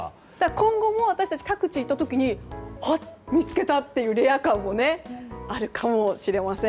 今後も私たち各地に行った時にあ、見つけたというレア感もあるかもしれません。